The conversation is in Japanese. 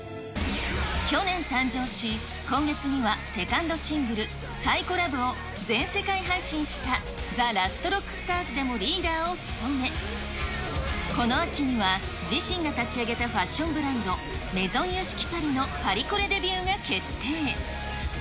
去年誕生し、今月にはセカンドシングル、サイコラブを全世界配信したＴＨＥＬＡＳＴＲＯＣＫＳＴＡＲＳでもリーダーを務め、この秋には自身が立ち上げたファッションブランド、メゾンＹＯＳＨＩＫＩパリの、パリコレデビューが決定。